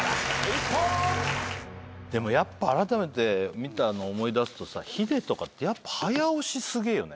一本！でもやっぱあらためて見たの思い出すとさヒデとかって早押しすげえよね。